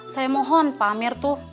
saya mohon pak amir tuh